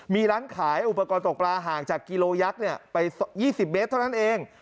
มีร้านขายอุปกรณ์ตกปลาห่างจากกิโลยักษ์ไป๒๐เมตรเท่านั้นเอง